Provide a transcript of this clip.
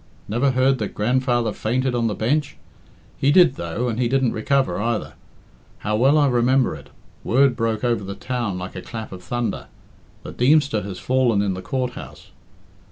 Never heard that grandfather fainted on the bench? He did, though, and he didn't recover either. How well I remember it! Word broke over the town like a clap of thunder, 'The Deemster has fallen in the Court house.'